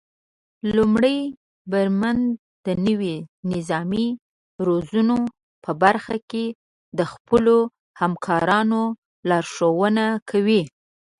لومړی بریدمن د نويو نظامي روزنو په برخه کې د خپلو همکارانو لارښونه کوي.